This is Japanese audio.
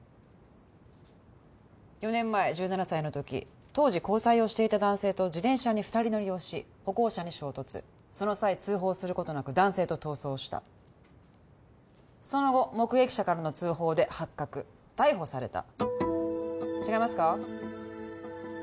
４年前１７歳のとき当時交際をしていた男性と自転車に二人乗りをし歩行者に衝突その際通報することなく男性と逃走したその後目撃者からの通報で発覚逮捕された違いますか？